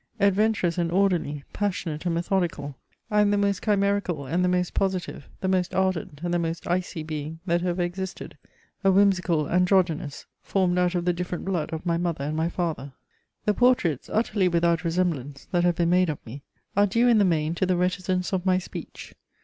Adventurous and orderly, passionate and methodical, I am the most chimerical and the most positive, the most ardent and the most icy being that ever existed, a whimsical androgynus, formed out of the different blood of my mother and my father. The portraits, utterly without resemblance, that have been made of me, are due in the main to the reticence of my speech.